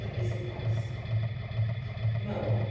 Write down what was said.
of isinglass. Mode.